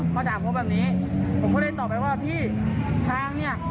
พอจากพบแบบนี้ผมก็เรียนต่อไปว่าพี่ทางเนี้ย